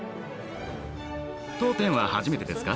当店は初めてですか？